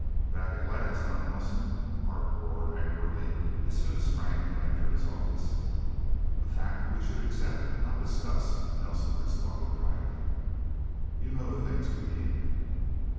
"Back at last, eh, Nelsen?" Art roared angrily, as soon as Frank had entered his office. "A fact we should accept, not discuss," Nelsen responded dryly. "You know the things we need."